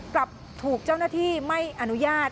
กลับถูกเจ้าหน้าที่ไม่อนุญาต